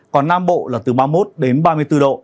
còn nam bộ là từ ba mươi một đến ba mươi bốn độ